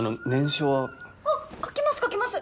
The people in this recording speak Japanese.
あっ書きます書きます